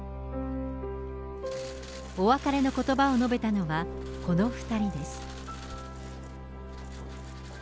お別れのことばを述べたのは、この２人です。